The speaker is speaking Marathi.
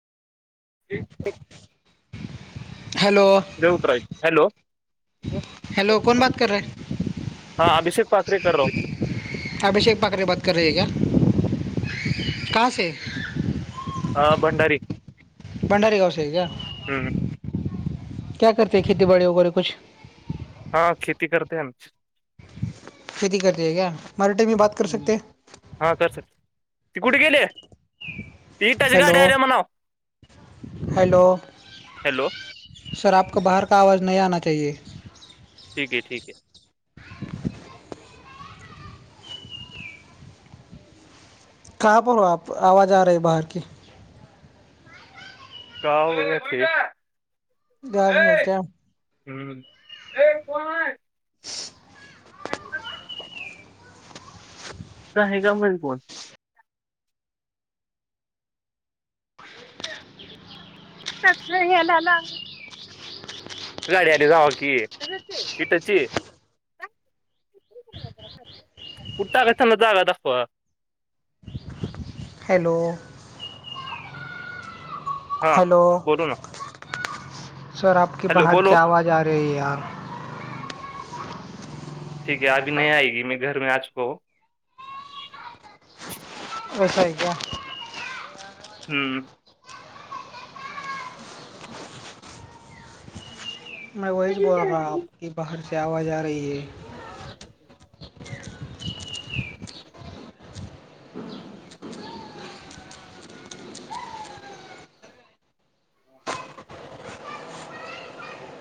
हू हेलो दे उतरय हॅलो हेलो कौन बात कर रहे हैं हा अभिषेक पाथकरे कर रहो अभिषेक पाकरे बाात कर रे क कासे अ भंडारी भंडारी गाव आहे क हम्म क्या करते खेती बाडी वगैरे कुछ हा खेती करते आम खेती करते आहे क मराे टेी बाात ह् हा स स ती कुठे गेली पीटच गाड्यार म्हणो हॅलो हॅलो सर आपक बाहेर का आवाज नाही आना चहीे ठीक आहे ठीक आहे काप हो आप आवाज आ रही बाहेर की होय ग गा होत हम्म ए कण आहे ल आहे का म कोण त यालाला गाडी आ जाव की सिटची कुठे टाकायचं चला जागा दाखवा हॅलो हा हॅलो बोलो ना सर आप के हॅलो बाहेर क बोलो आवाज आ रही यार ठीक आहे अभी नाही आयग मी घरे आजको वसा आहे का हम्म म वहेच बोल रहा आप की बाहेरची आवाज आ रही आहे विकायचा आवाज येत नाही चक चक